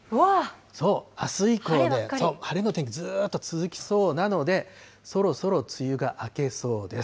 そう、あす以降ね、晴れの天気、ずっと続きそうなので、そろそろ梅雨が明けそうです。